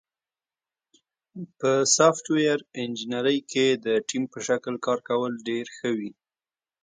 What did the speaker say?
په سافټویر انجینری کې د ټیم په شکل کار کول ډېر ښه وي.